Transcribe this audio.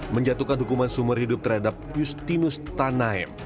menjatuhkan hukuman sumber hidup terhadap justinus tanaem